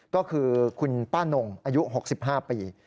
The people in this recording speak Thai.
ก็คือคุณป้านงอายุ๖๕ปี